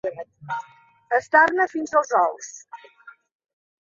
Estar-ne fins als ous.